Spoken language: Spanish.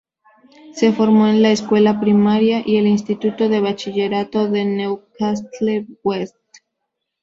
Se formó en la escuela primaria y el instituto de bachillerato de Newcastle West.